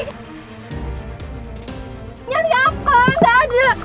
nyari apa gak ada